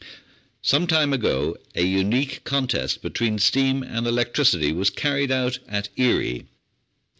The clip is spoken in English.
Some time ago a unique contest between steam and elec tricity was carried out at Erie.